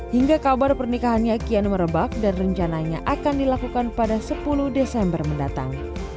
hingga kabar pernikahannya kian merebak dan rencananya akan dilakukan pada sepuluh desember mendatang